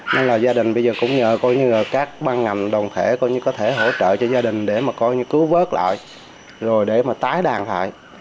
nên là gia đình bây giờ cũng nhờ các ban ngành đồng thể có thể hỗ trợ cho gia đình để mà cứu vớt lại rồi để mà tái đàn lại